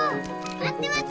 待って待て。